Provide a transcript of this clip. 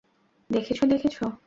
দেখেছো, দেখেছো?